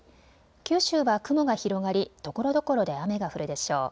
九州は雲が広がりところどころで雨が降るでしょう。